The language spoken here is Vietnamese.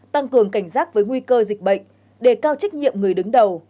tăng cường cảnh giác với nguy cơ dịch bệnh đề cao trách nhiệm người đứng đầu